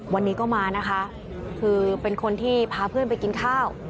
วันนี้ก็มานะคะคือเป็นคนที่พาเพื่อนไปกินข้าว